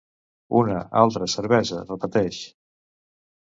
Una, altra, cervesa, repeteix.